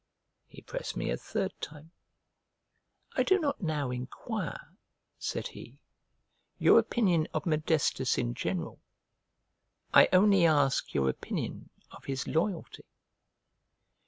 He pressed me a third time. "I do not now enquire," said he, "your opinion of Modestus in general, I only ask your opinion of his loyalty."